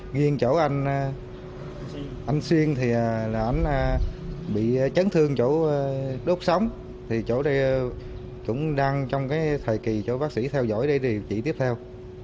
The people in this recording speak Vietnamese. nghiêng chỗ anh xuyên thì là anh bị chấn thương chỗ đốt sóng thì chỗ đây cũng đang trong cái thời kỳ chỗ bác sĩ theo dõi điều trị tiếp theo